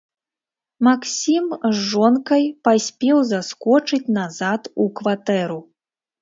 Максім з жонкай паспеў заскочыць назад у кватэру.